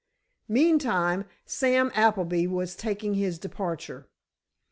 Meantime Sam Appleby was taking his departure.